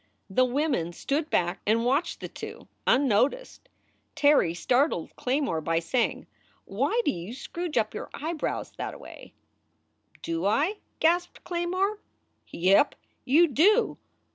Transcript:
The women stood back and watched the two, unnoticed. Terry startled Claymore by saying: "Why do you scrooge up your eyebrows thataway?" "Do I?" gasped Claymore. "Yep, you do.